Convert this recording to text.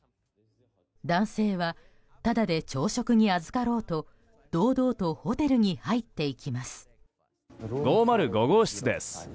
男性はタダで朝食にあずかろうと堂々とホテルに入っていきます。